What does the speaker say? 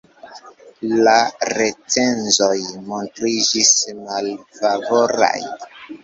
La recenzoj montriĝis malfavoraj.